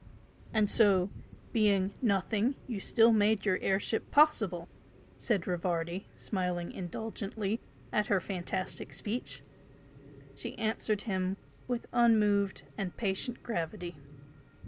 "And so being Nothing you still made your air ship possible!" said Rivardi, smiling indulgently at her fantastic speech. She answered him with unmoved and patient gravity.